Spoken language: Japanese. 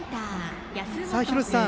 廣瀬さん